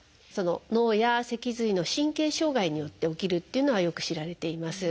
脳や脊髄の神経障害によって起きるっていうのはよく知られています。